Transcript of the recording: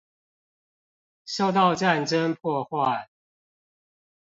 受到戰爭破壞